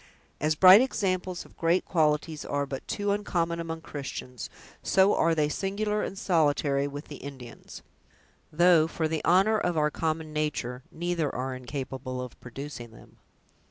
As bright examples of great qualities are but too uncommon among Christians, so are they singular and solitary with the Indians; though, for the honor of our common nature, neither are incapable of producing them.